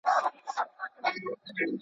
هر څوک باید له مطالعې سره مینه وکړي.